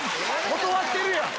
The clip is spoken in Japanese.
断ってるやん！